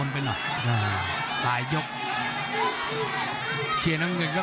แปละโย่